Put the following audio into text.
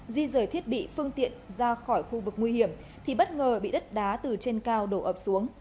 di rời thiết bị phương tiện ra khỏi khu vực nguy hiểm thì bất ngờ bị đất đá từ trên cao đổ ập xuống